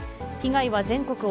被害は全国